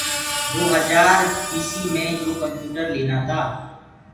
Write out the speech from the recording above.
دو هجآر بيسي مي يو ڪمپيوٽر لينآ تآ۔